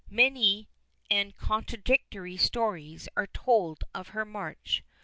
Many and contradictory stories are told of her march.